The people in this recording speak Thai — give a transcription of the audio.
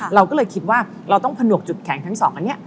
เราก็เลยคิดว่าเราต้องผนวกจุดแข็งทั้งสองอันนี้